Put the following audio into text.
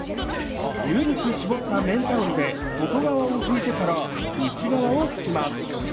ゆるく絞った綿タオルで外側を拭いてから内側を拭きます。